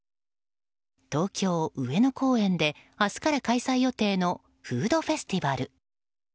東京・上野公園で明日から開催予定のフードフェスティバル。